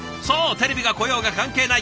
テレビが来ようが関係ない。